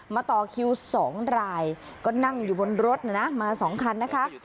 ต่อคิว๒รายก็นั่งอยู่บนรถนะนะมา๒คันนะคะ